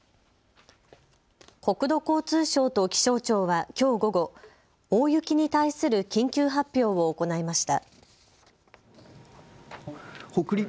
国土交通省と気象庁はきょう午後、大雪に対する緊急発表を行いました。